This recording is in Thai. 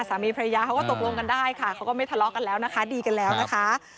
สามีพระยาเขาก็ตกลงกันได้ค่ะเขาก็ไม่ทะเลาะกันแล้วนะคะดีกันแล้วนะคะ